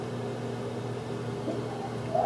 hadi milimita elfu moja mia moja kwa mwaka